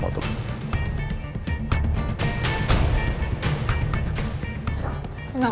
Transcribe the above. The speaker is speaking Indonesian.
waalaikumsalam warahmatullahi wabarakatuh